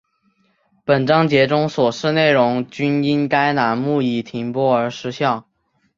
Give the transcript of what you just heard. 本章节中所示内容均因该栏目已停播而失效